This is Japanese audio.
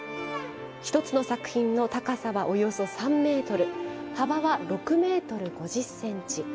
１つの作品の高さはおよそ３ｍ幅は６ｍ５０ｃｍ。